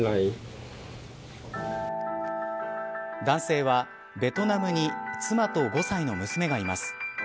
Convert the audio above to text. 男性は、ベトナムに妻と５歳の娘がいます。